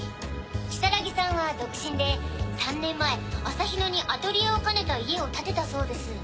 如月さんは独身で３年前あさひ野にアトリエを兼ねた家を建てたそうです。